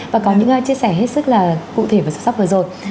và có những chia sẻ hết sức là cụ thể và sắp rồi